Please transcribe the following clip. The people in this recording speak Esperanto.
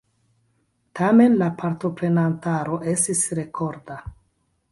Tamen la partoprenantaro estis rekorda.